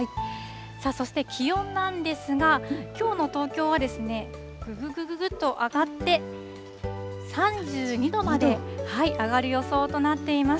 そして、気温なんですが、きょうの気温はぐぐぐぐぐっと上がって、３２度まで上がる予想となっています。